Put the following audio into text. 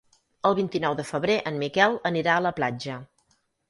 El vint-i-nou de febrer en Miquel anirà a la platja.